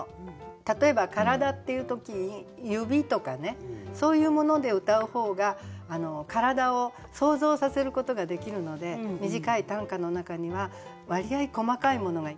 例えば「体」っていう時に「指」とかねそういうものでうたう方が体を想像させることができるので短い短歌の中には割合細かいものが生きるようになっています。